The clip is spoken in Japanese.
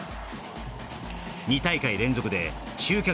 ２大会連続で集客